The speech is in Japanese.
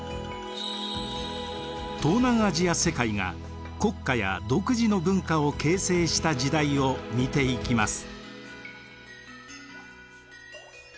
東南アジア世界が国家や独自の文化を形成した時代を見ていきます。